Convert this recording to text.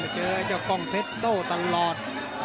เจอเจ้ากล้องเพชรโด้ตลอด